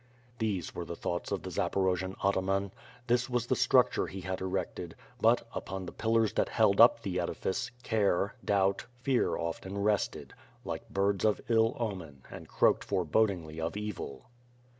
These were the thoughts of the Zaporojian ataman. This was the structure he had erected, but, upon the pillars that held up the edifice, care, doubt, fear often rested — like birds of ill omen and croaked forebodingly of evil.